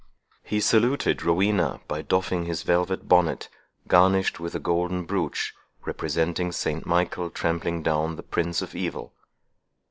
He saluted Rowena by doffing his velvet bonnet, garnished with a golden broach, representing St Michael trampling down the Prince of Evil.